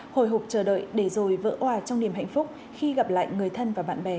hồi hộp chờ đợi để rồi vỡ hòa trong niềm hạnh phúc khi gặp lại người thân và bạn bè